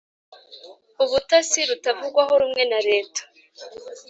ubutasi rutavugwaho rumwe na reta